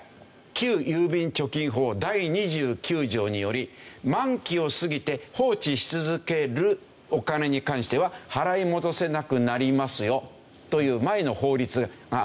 旧郵便貯金法第２９条により満期を過ぎて放置し続けるお金に関しては払い戻せなくなりますよという前の法律がある。